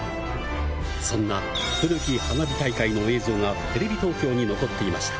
そんな古き花火大会の映像がテレビ東京に残っていました。